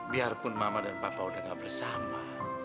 biarpun mama dan papa udah gak bersama